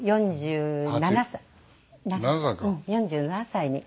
４７歳に。